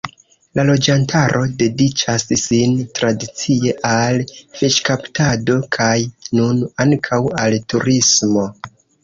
La loĝantaro dediĉas sin tradicie al fiŝkaptado kaj nun ankaŭ al turismo.